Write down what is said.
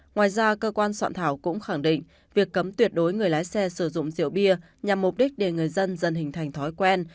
ngoài ra cơ quan soạn thảo cũng khẳng định việc cấm tuyệt đối người lái xe sử dụng rượu bia nhằm mục đích để người dân dần hình thành thói quen